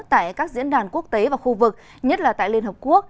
tại các diễn đàn quốc tế và khu vực nhất là tại liên hợp quốc